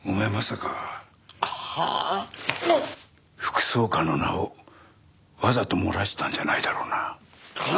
副総監の名をわざと漏らしたんじゃないだろうな？